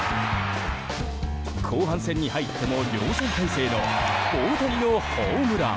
後半戦に入っても量産態勢の大谷のホームラン。